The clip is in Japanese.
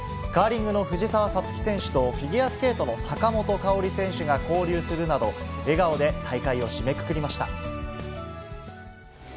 カーリングの藤澤五月選手と、フィギュアスケートの坂本花織選手が交流するなど、笑顔で大会を締めくくりました。